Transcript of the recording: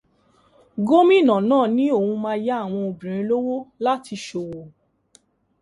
Gómìnà nàá ní òun ma yá àwọn obìnrin lowó láti ṣòwò.